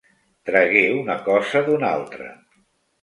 Tragué una cosa d'una altra.